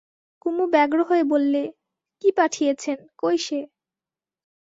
কুমু ব্যগ্র হয়ে বললে, কী পাঠিয়েছেন, কই সে?